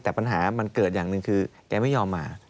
แต่ปัญหามันเกิดอย่างหนึ่งคือแกไม่ยอมมา